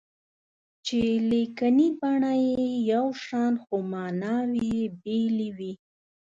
چې لیکني بڼه یې یو شان خو ماناوې یې بېلې وي.